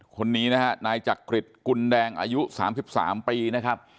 คนนี้นะฮะนายจักริตกุลแดงอายุ๓๓ปีนะครับ